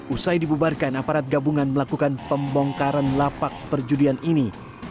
usai dibubarkan aparat gabungan melakukan pembongkaran lapak perjudian ini